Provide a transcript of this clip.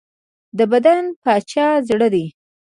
د بدن باچا زړه دی.